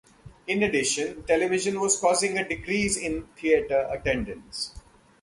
In addition, television was causing a decrease in theater attendance.